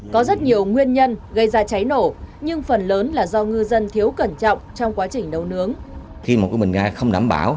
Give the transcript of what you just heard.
có rất nhiều nguyên nhân gây ra cháy nổ nhưng phần lớn là do ngư dân thiếu cẩn trọng trong quá trình nấu nướng